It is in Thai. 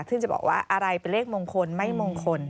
ซึ่งจะบอกว่าอะไรเป็นเลขมงคลไม่มงคล